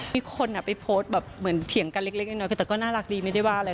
มีคนไปโพสต์แบบเหมือนเถียงกันเล็กน้อยแต่ก็น่ารักดีไม่ได้ว่าอะไร